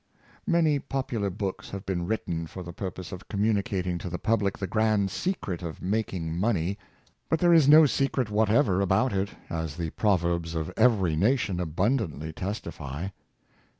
Many popular books have been written for the pur pose of communicating to the public the grand secret of making money. But there is no secret whatever about it, as the proverbs of every nation abundantly testify.